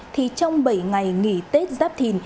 thì trong bảy ngày nghỉ tết giáp thìn